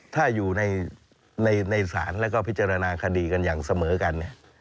ถ้าอยู่ในศาลแล้วก็พิจารณาคดีกันอย่างเสมอกัน